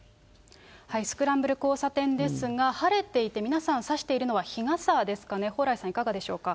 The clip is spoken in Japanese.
スクランブル交差点ですが、晴れていて、皆さん、差しているのは日傘ですかね、蓬莱さん、いかがでしょうか。